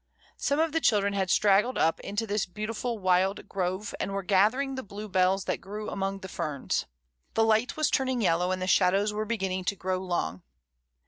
Some of the children had straggled up into this beautiful wild grove, and were gathering the bluebells that grew among the ferns. The light was turning yel low, and the shadows were beginning to grow long.